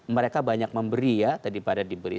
mereka banyak memberi ya tadi pada diberi